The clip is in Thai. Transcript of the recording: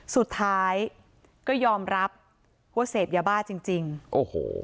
สุดท้ายก็ยอมรับว่าเสพยาบ้าจริงจริงโอ้โห